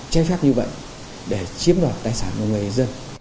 trái phép như vậy để chiếm đoạt tài sản của người dân